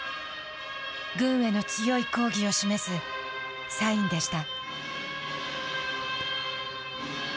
軍への強い抗議を示すサインでした。